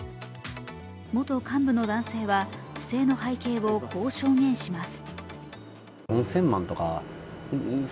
元幹部の男性は不正の背景をこう証言します。